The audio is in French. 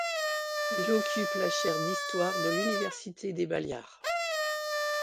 Il occupe la chaire d'histoire de l'université des Baléares.